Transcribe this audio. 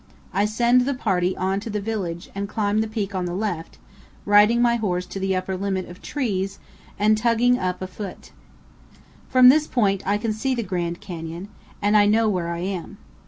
I send the party on to the village and climb the peak on the left, riding my horse to the upper limit of trees and then tugging up afoot. From this point I can see the Grand Canyon, and I know where I am.